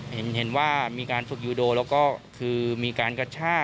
เห็นว่ามีการฝึกยูโดแล้วก็คือมีการกระชาก